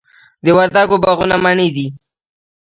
د وردګو باغونه مڼې دي